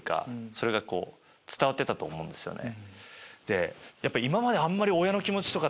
それが伝わってたと思うんですよね。